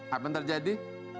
apa yang terjadi